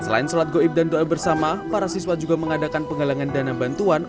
selain sholat goib dan doa bersama para siswa juga mengadakan penggalangan dana bantuan